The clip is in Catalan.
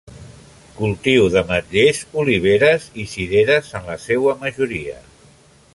Cultiu d'ametllers, oliveres i cireres en la seua majoria.